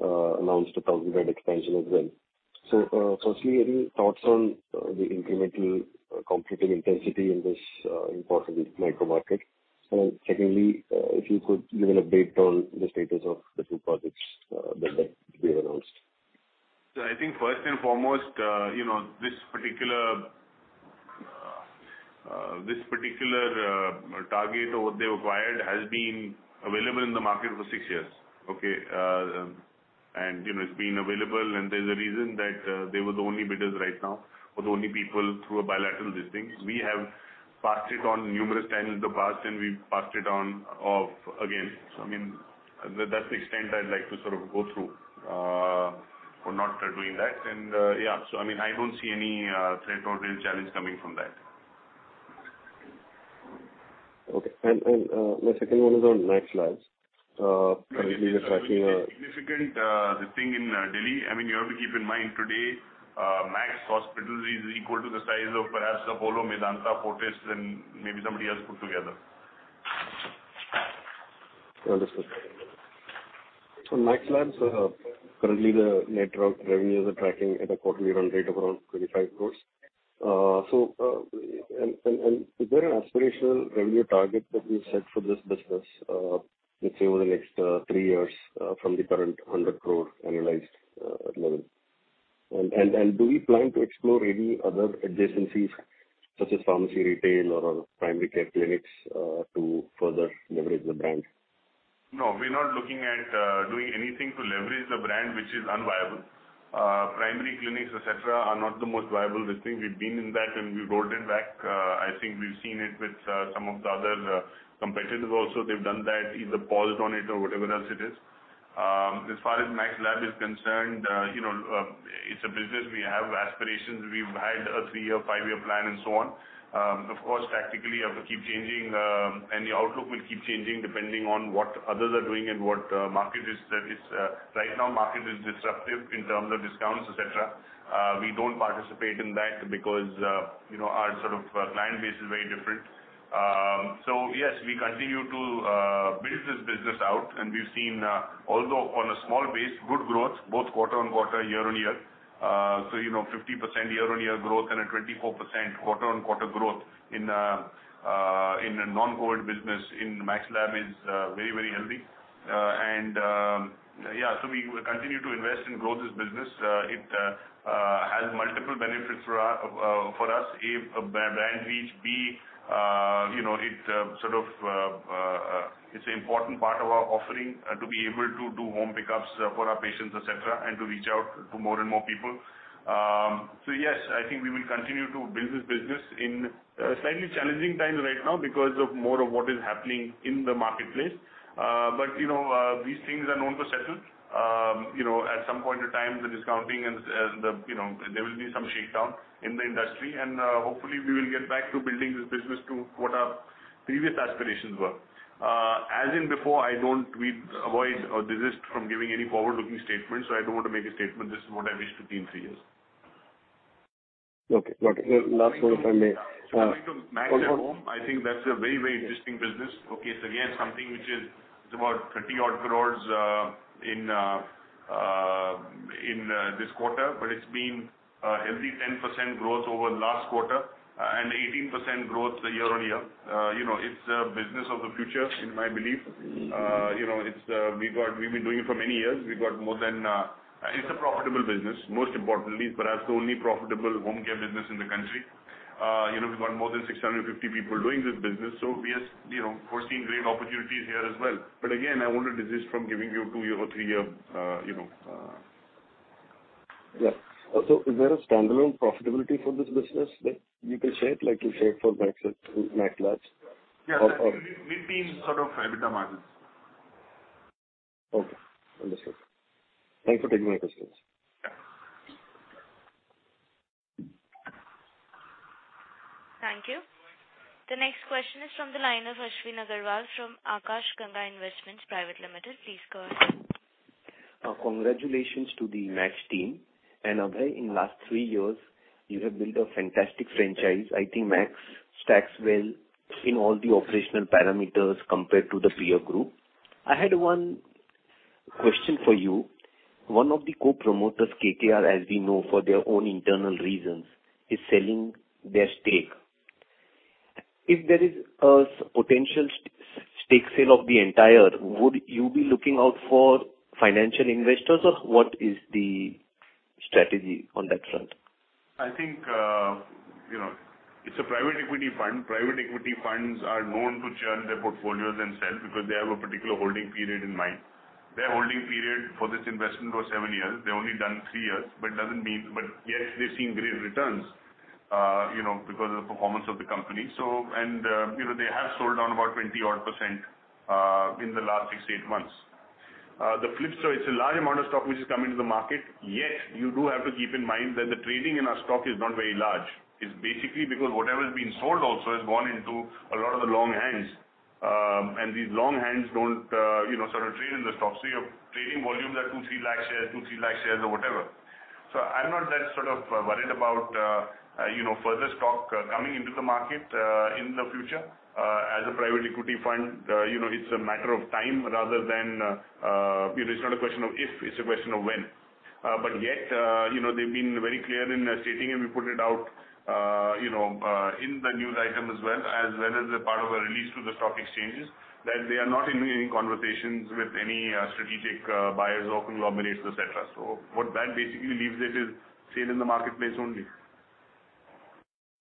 announced a 1,000-bed expansion as well. Firstly, any thoughts on the incremental competition intensity in this important micro market? And then secondly, if you could give an update on the status of the two projects that have been announced. I think first and foremost, you know, this particular target or what they acquired has been available in the market for six years, okay? You know, it's been available, and there's a reason that they were the only bidders right now, or the only people through a bilateral listing. We have passed on it numerous times in the past, and we've passed on it on and off again. I mean, that's the extent I'd like to sort of go through for not doing that. Yeah, I mean, I don't see any threat or real challenge coming from that. Okay. My second one is on Max Lab. Currently they're tracking, Significant listing in Delhi. I mean, you have to keep in mind today, Max Healthcare is equal to the size of perhaps Apollo Hospitals, Medanta, Fortis Healthcare, and maybe somebody else put together. Understood. Max Lab, currently the network revenues are tracking at a quarterly run rate of around 25 crore. Is there an aspirational revenue target that we set for this business, let's say over the next three years, from the current 100 crore annualized level? Do we plan to explore any other adjacencies such as pharmacy, retail or primary care clinics, to further leverage the brand? No, we're not looking at doing anything to leverage the brand which is unviable. Primary clinics, et cetera, are not the most viable listing. We've been in that, and we've rolled it back. I think we've seen it with some of the other competitors also. They've done that, either paused on it or whatever else it is. As far as Max Lab is concerned, you know, it's a business. We have aspirations. We've had a three-year, five-year plan and so on. Of course, tactically it will keep changing, and the outlook will keep changing depending on what others are doing and what market is, that is, right now market is disruptive in terms of discounts, et cetera. We don't participate in that because you know, our sort of client base is very different. Yes, we continue to build this business out, and we've seen, although on a small base, good growth both quarter-on-quarter, year-on-year. You know, 50% year-on-year growth and a 24% quarter-on-quarter growth in a non-COVID business in Max Lab is very, very healthy. Yeah, we will continue to invest and grow this business. It has multiple benefits for us. A, brand reach, B, you know, it sort of it's an important part of our offering to be able to do home pickups for our patients, et cetera, and to reach out to more and more people. Yes, I think we will continue to build this business in slightly challenging times right now because of more of what is happening in the marketplace. You know, these things are known to settle. You know, at some point in time the discounting and the, you know, there will be some shakedown in the industry and hopefully we will get back to building this business to what our previous aspirations were. As in before, we avoid or desist from giving any forward-looking statements, so I don't want to make a statement, "This is what I wish to see in three years." Okay. Got it. Last one, if I may. Coming to MAX@Home, I think that's a very interesting business. Okay, so again, something which is about 30-odd crore in this quarter, but it's been healthy 10% growth over last quarter and 18% growth year-on-year. You know, it's a business of the future, in my belief. You know, we've been doing it for many years. It's a profitable business, most importantly, perhaps the only profitable home care business in the country. You know, we've got more than 650 people doing this business. So yes, you know, we foresee great opportunities here as well. But again, I want to desist from giving you a two-year or three-year, you know. Yeah. Is there a standalone profitability for this business that you can share, like you shared for Max Lab? Yeah. Mid-teen sort of EBITDA margins. Okay. Understood. Thank you for taking my questions. Yeah. Thank you. The next question is from the line of Ashwin Agarwal from Akash Ganga Investments Private Limited. Please go ahead. Congratulations to the Max team. Abhay, in last three years, you have built a fantastic franchise. I think Max stacks well in all the operational parameters compared to the peer group. I had one question for you. One of the co-promoters, KKR, as we know, for their own internal reasons, is selling their stake. If there is a potential stake sale of the entire, would you be looking out for financial investors, or what is the strategy on that front? I think, you know, it's a private equity fund. Private equity funds are known to churn their portfolios and sell because they have a particular holding period in mind. Their holding period for this investment was seven years. They've only done three years, but it doesn't mean. Yet they've seen great returns, you know, because of the performance of the company. You know, they have sold down about 20%, in the last six to eight months. The flip side, it's a large amount of stock which is coming to the market, yet you do have to keep in mind that the trading in our stock is not very large. It's basically because whatever is being sold also has gone into a lot of the strong hands. These strong hands don't, you know, sort of trade in the stock. Your trading volumes are 2 lakh-3 lakh shares or whatever. I'm not that sort of worried about further stock coming into the market in the future. As a private equity fund, it's a matter of time rather than it's not a question of if, it's a question of when. Yet, they've been very clear in stating, and we put it out in the news item as well as a part of a release to the stock exchanges, that they are not in any conversations with any strategic buyers or conglomerates, et cetera. What that basically leaves it is sale in the marketplace only.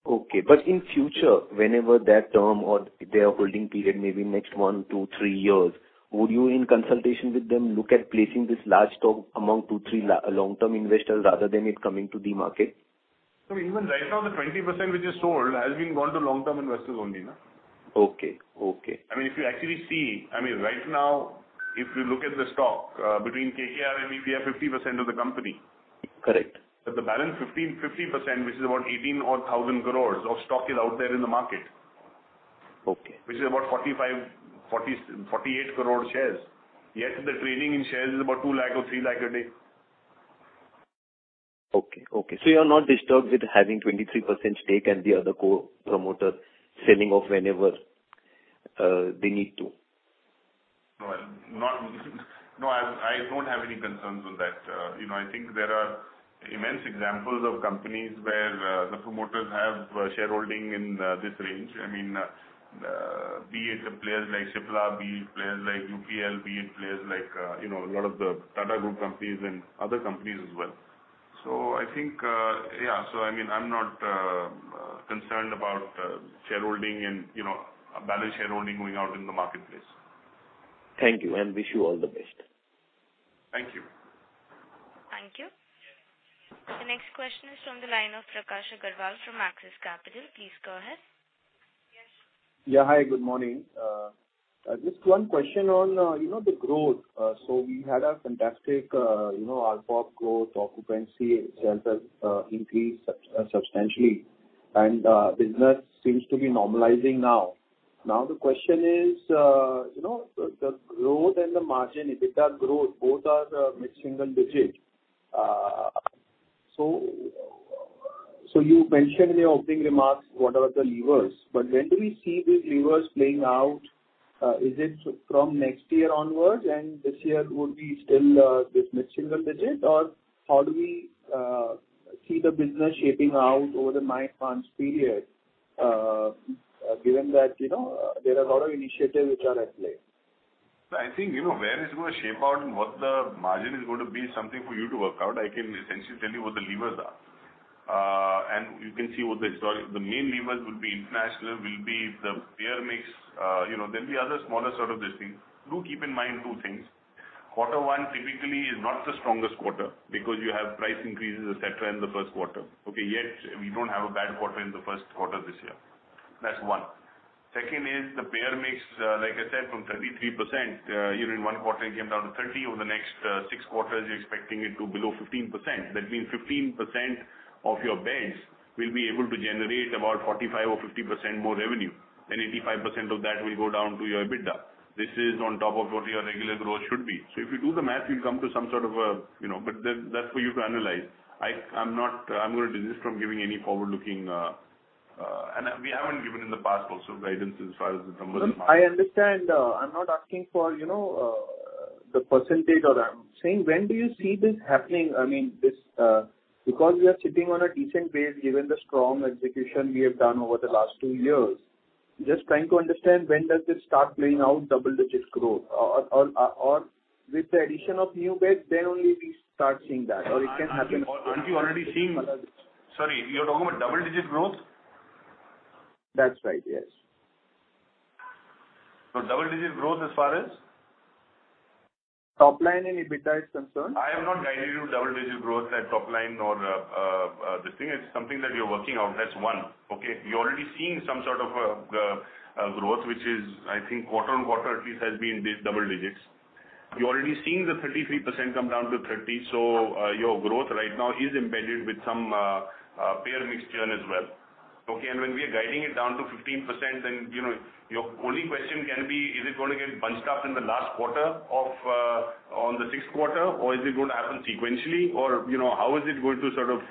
Okay. In future, whenever that term or their holding period may be next one, two, three years, would you, in consultation with them, look at placing this large stock among two, three long-term investors rather than it coming to the market? Even right now, the 20% which is sold has been gone to long-term investors only, no? Okay. Okay. I mean, if you actually see, I mean, right now, if you look at the stock, between KKR and we have 50% of the company. Correct. The balance 50%, which is about 1,800 crores of stock is out there in the market. Okay. Which is about 45, 40, 48 crore shares. Yet the trading in shares is about 2 lakh or 3 lakh a day. Okay. You're not disturbed with having 23% stake and the other co-promoter selling off whenever they need to. No, I don't have any concerns on that. You know, I think there are immense examples of companies where the promoters have shareholding in this range. I mean, be it a player like Cipla, be it players like UPL, be it players like, you know, a lot of the Tata Group companies and other companies as well. I think, yeah. I mean, I'm not concerned about shareholding and, you know, balance shareholding going out in the marketplace. Thank you and wish you all the best. Thank you. Thank you. The next question is from the line of Prakash Agarwal from Axis Capital. Please go ahead. Yes. Yeah. Hi, good morning. Just one question on, you know, the growth. So we had a fantastic, you know, ARPOB growth, occupancy itself has increased substantially, and business seems to be normalizing now. Now the question is, you know, the growth and the margin, EBITDA growth, both are mid-single digit. So you mentioned in your opening remarks what are the levers, but when do we see these levers playing out? Is it from next year onwards and this year would be still this mid-single digit? Or how do we see the business shaping out over the nine months period, given that, you know, there are a lot of initiatives which are at play? I think, you know, where it's gonna shape out and what the margin is going to be is something for you to work out. I can essentially tell you what the levers are. The main levers would be international, will be the payer mix. You know, there'll be other smaller sort of these things. Do keep in mind two things. Quarter one typically is not the strongest quarter because you have price increases, et cetera, in the first quarter. Okay. Yet we don't have a bad quarter in the first quarter this year. That's one. Second is the payer mix, like I said, from 33%, here in one quarter it came down to 30%. Over the next six quarters, you're expecting it to be below 15%. That means 15% of your beds will be able to generate about 45% or 50% more revenue, and 85% of that will go down to your EBITDA. This is on top of what your regular growth should be. If you do the math, you'll come to some sort of a, you know, but that's for you to analyze. I'm gonna desist from giving any forward-looking, and we haven't given in the past also guidance as far as the numbers are concerned. I understand. I'm not asking for, you know, the percentage or that. I'm saying when do you see this happening? I mean, this, because we are sitting on a decent base, given the strong execution we have done over the last two years. Just trying to understand when does this start playing out double-digit growth? Or, with the addition of new beds, then only we start seeing that or it can happen? Sorry, you're talking about double-digit growth? That's right, yes. Double-digit growth as far as? Top line and EBITDA is concerned. I have not guided you double-digit growth at top line or this thing. It's something that we are working on. That's one. Okay? You're already seeing some sort of growth, which is, I think, quarter-over-quarter at least has been double digits. You're already seeing the 33% come down to 30%. Your growth right now is embedded with some payer mixture as well. Okay. When we are guiding it down to 15%, then, you know, your only question can be, is it gonna get bunched up in the last quarter or on the sixth quarter, or is it going to happen sequentially? Or, you know, how is it going to sort of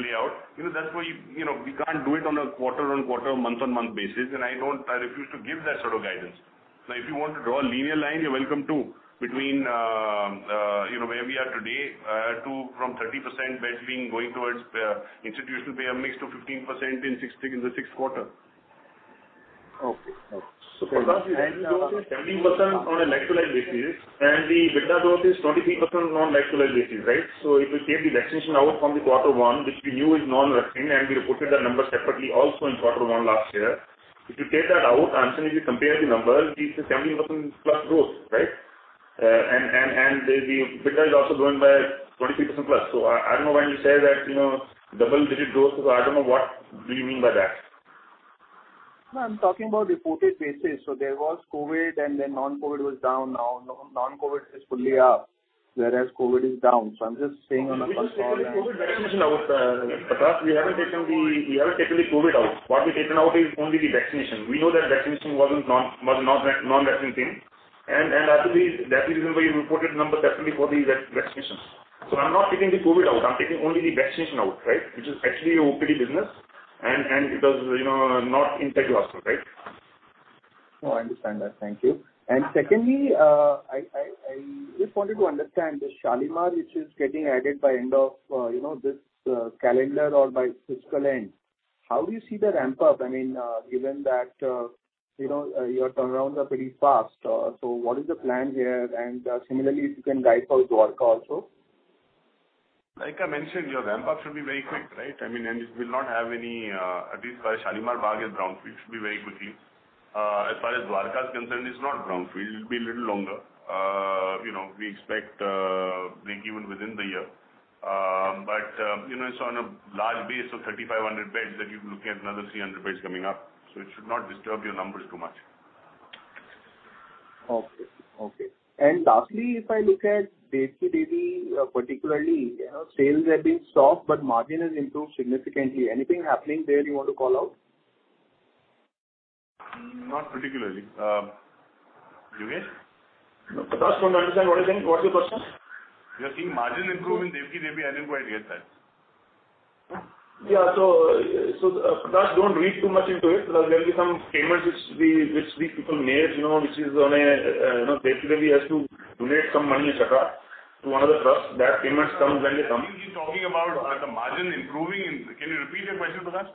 play out? You know, that's why, you know, we can't do it on a quarter-over-quarter, month-over-month basis, and I don't, I refuse to give that sort of guidance. Now, if you want to draw a linear line, you're welcome to between you know, where we are today from 30% beds going towards institutional payer mix to 15% in the sixth quarter. Okay. For us, the EBITDA growth is 17% on a like-for-like basis, and the EBITDA growth is 23% on like-for-like basis, right? If you take the vaccination out from the quarter one, which we knew is non-recurring, and we reported the numbers separately also in quarter one last year. If you take that out and suddenly you compare the numbers, it's a 17%+ growth, right? And the EBITDA is also growing by 23%+. I don't know when you say that, you know, double-digit growth, so I don't know what do you mean by that. No, I'm talking about reported basis. There was COVID and then non-COVID was down. Now non-COVID is fully up, whereas COVID is down. I'm just saying on a first call. We just taken the COVID vaccination out. Because we haven't taken the COVID out. What we've taken out is only the vaccination. We know that vaccination was a non-recurring thing. That is the reason why we reported numbers separately for the vaccinations. I'm not taking the COVID out, I'm taking only the vaccination out, right? Which is actually OPD business and it was, you know, not integrated hospital, right? No, I understand that. Thank you. Secondly, I just wanted to understand the Shalimar which is getting added by end of, you know, this calendar or by fiscal end. How do you see the ramp up? I mean, given that, you know, your turnarounds are pretty fast. What is the plan here? Similarly, if you can guide for Dwarka also. Like I mentioned, your ramp up should be very quick, right? I mean it will not have any. At least the Shalimar Bagh is brownfield, should be very quickly. As far as Dwarka is concerned, it's not brownfield. It'll be a little longer. You know, we expect breakeven within the year. You know, it's on a large base of 3,500 beds that you're looking at another 300 beds coming up, so it should not disturb your numbers too much. Okay. Lastly, if I look at Devki Devi, particularly, you know, sales have been stuck, but margin has improved significantly. Anything happening there you want to call out? Not particularly. Yogesh? Prakash Agarwal, don't understand what you're saying. What's your question? You're seeing margin improvement, Devki Devi. I didn't quite get that. Prakash, don't read too much into it. There'll be some payments which we people made, you know, which is on a, Devki Devi has to donate some money in Saket to one of the trusts. That payments comes when they come. Are you talking about the margin improving? Can you repeat your question, Prakash?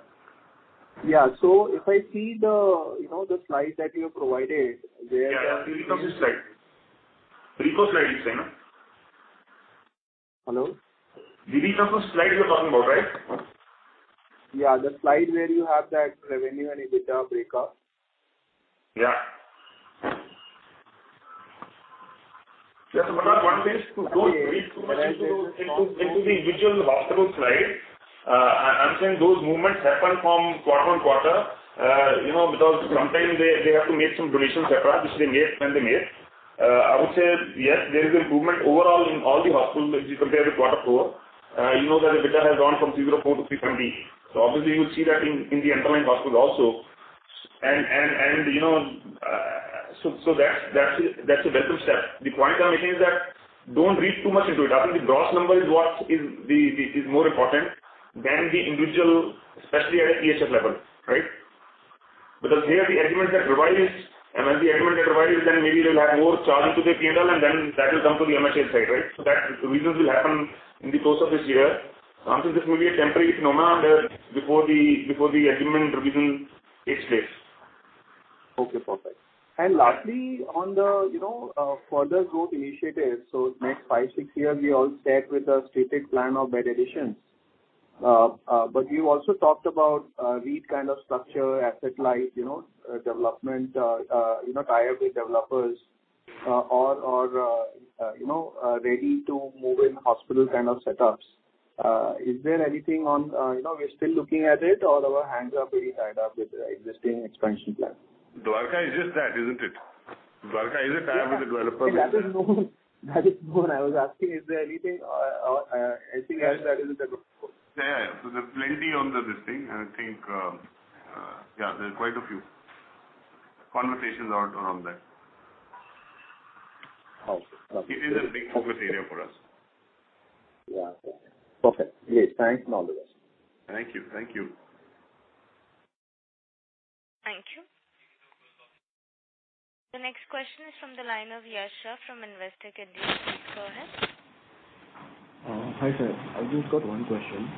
Yeah. If I see the, you know, the slide that you have provided, there Yeah. Which of the slide? RECO slide, you say? No? Hello? The slide you're talking about, right? Yeah. The slide where you have that revenue and EBITDA breakup. Yeah. Yes, but one thing, don't read too much into the individual hospital slide. I'm saying those movements happen from quarter on quarter. You know, because sometimes they have to make some donations separate, which they made when they made. I would say yes, there is improvement overall in all the hospitals if you compare the quarter four. You know that EBITDA has gone from 0.4% to 3.8%. Obviously you will see that in the underlying hospitals also. You know, so that's a welcome step. The point I'm making is that don't read too much into it. I think the gross number is what is more important than the individual, especially at EHS level, right? Because here the agreement that revised and as the agreement got revised, then maybe they'll have more charges to their P&L and then that will come to the MHL side, right? That revisions will happen in the course of this year. I'm saying this may be a temporary phenomena before the agreement revision takes place. Okay, perfect. Lastly, on the, you know, further growth initiatives. Next 5, 6 years we'll stick with a stated plan of bed additions. But you also talked about REIT kind of structure, asset light, you know, development, tie-up with developers, or ready-to-move-in hospital kind of setups. Is there anything on, you know, we're still looking at it or our hands are pretty tied up with the existing expansion plan? Dwarka is just that, isn't it? Dwarka is a tie-up with the developer. That is known. I was asking is there anything or anything else that is in the group? Yeah. There's plenty on the listing. I think, yeah, there's quite a few conversations around that. Okay. It is a big focus area for us. Yeah. Okay. Perfect. Great. Thanks. No other questions. Thank you. Thank you. Thank you. The next question is from the line of Yash Shah from Investor Cadiz. Please go ahead. Hi, sir. I've just got one question.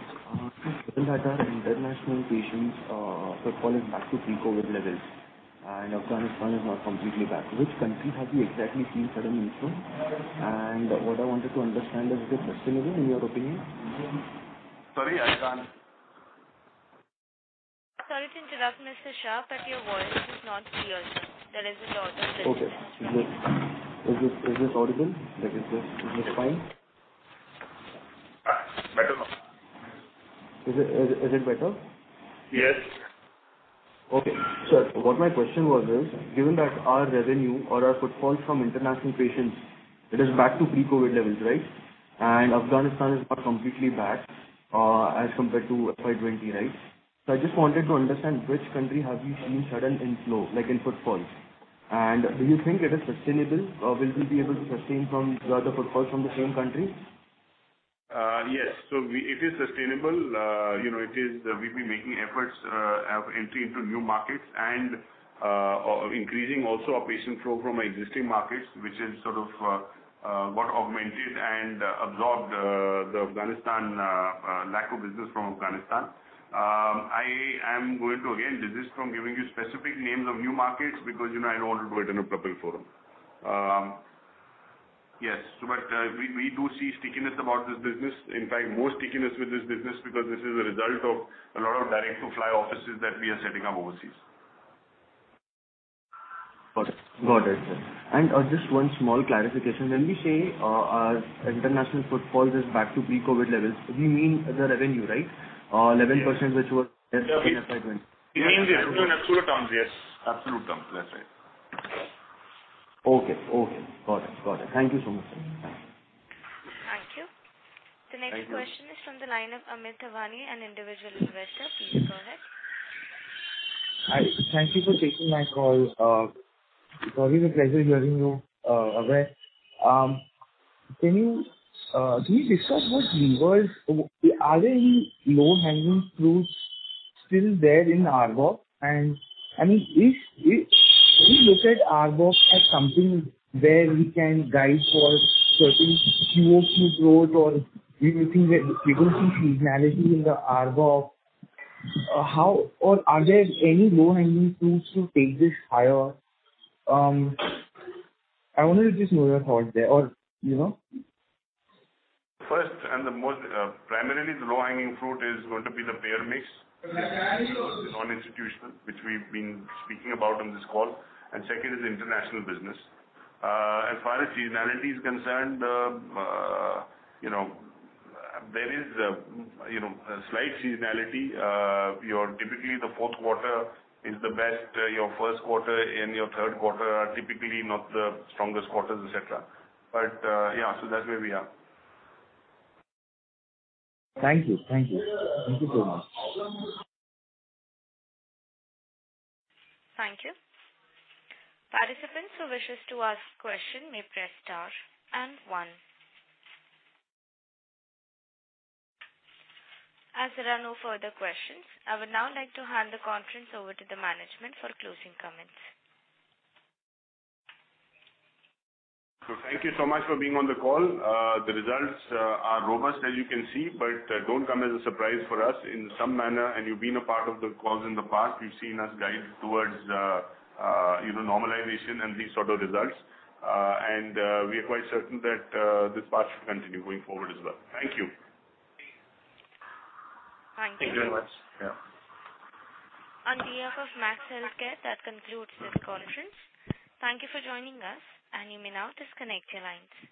Given that our international patients footfall is back to pre-COVID levels and Afghanistan is now completely back, which country have you exactly seen sudden inflow? What I wanted to understand is it sustainable in your opinion? Sorry, I can't. Sorry to interrupt, Mr. Shah, but your voice is not clear. There is a lot of glitch. Okay. Is this audible? Like is this fine? Better now. Is it better? Yes. Okay. What my question was is, given that our revenue or our footfalls from international patients, it is back to pre-COVID levels, right? Afghanistan is now completely back, as compared to FY 2020, right? I just wanted to understand which country have you seen sudden inflow, like in footfalls? Do you think it is sustainable or will you be able to sustain from the other footfalls from the same countries? Yes. It is sustainable. You know, it is, we've been making efforts for entry into new markets and increasing also our patient flow from our existing markets, which is sort of got augmented and absorbed the lack of business from Afghanistan. I am going to again desist from giving you specific names of new markets because, you know, I don't want to do it in a public forum. We do see stickiness about this business. In fact, more stickiness with this business because this is a result of a lot of direct-to-fly offices that we are setting up overseas. Got it, sir. Just one small clarification. When we say our international footfalls is back to pre-COVID levels, do you mean the revenue, right? Yes. 11% which was- We mean the absolute terms, yes. Absolute terms. That's right. Okay. Got it. Thank you so much, sir. Thank you. Thank you. The next question is from the line of Amit Dhawan, an individual investor. Please go ahead. Hi. Thank you for taking my call. It's always a pleasure hearing you, Abhay. Can you discuss what levers are there any low-hanging fruits still there in ARPOB? I mean, if we look at ARPOB as something where we can guide for certain QoQ growth or we may think that we don't see seasonality in the ARPOB. How or are there any low-hanging fruits to take this higher? I wonder if you just know your thoughts there or, you know. First and foremost, primarily the low-hanging fruit is going to be the payer mix non-institutional, which we've been speaking about on this call, and second is international business. As far as seasonality is concerned, you know, there is, you know, a slight seasonality. Typically our fourth quarter is the best. Our first quarter and our third quarter are typically not the strongest quarters, etc. Yeah, so that's where we are. Thank you. Thank you. Thank you so much. Thank you. Participants who wishes to ask question may press star and one. As there are no further questions, I would now like to hand the conference over to the management for closing comments. Thank you so much for being on the call. The results are robust, as you can see, but don't come as a surprise for us in some manner. You've been a part of the calls in the past. You've seen us guide towards, you know, normalization and these sort of results. We are quite certain that this path should continue going forward as well. Thank you. Thank you very much. Yeah. On behalf of Max Healthcare, that concludes this conference. Thank you for joining us, and you may now disconnect your lines.